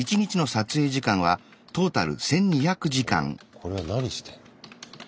これは何してんの？